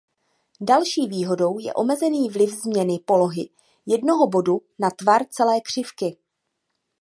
Další výhodou je omezený vliv změny polohy jednoho bodu na tvar celé křivky.